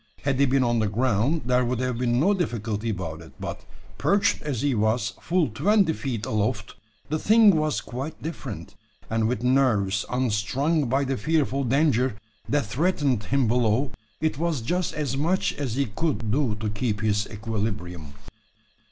Had he been on the ground, there would have been no difficulty about it; but, perched as he was full twenty feet aloft, the thing was quite different; and, with nerves unstrung by the fearful danger that threatened him below, it was just as much as he could do to keep his equilibrium.